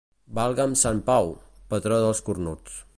Valga'm sant Pau, patró dels cornuts.